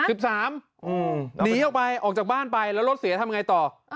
หนีออกไปออกจากบ้านไปแล้วรถเสียทำไงต่อ